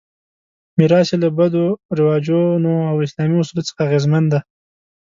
میراث یې له بدوي رواجونو او اسلامي اصولو څخه اغېزمن دی.